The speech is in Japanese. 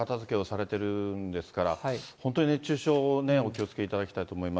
この暑さの中で、皆さんね、お片づけをされてるんですから、本当に熱中症ね、お気をつけいただきたいと思います。